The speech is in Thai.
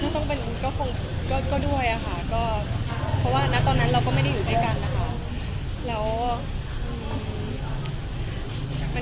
ถ้าต้องเป็นก็คงก็ด้วยอะค่ะก็เพราะว่าณตอนนั้นเราก็ไม่ได้อยู่ด้วยกันนะคะ